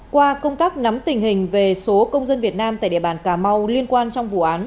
qua công tác nắm tình hình về số công dân việt nam tại địa bàn cà mau liên quan trong vụ án